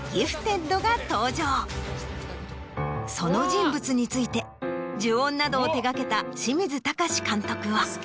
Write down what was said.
その人物について『呪怨』などを手がけた清水崇監督は。